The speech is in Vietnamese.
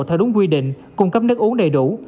theo đúng quy định cung cấp nước uống đầy đủ